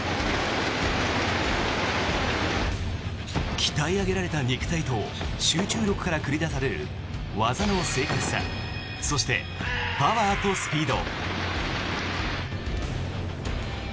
鍛え上げられた肉体と集中力から繰り出される技の正確さそしてパワーとスピード。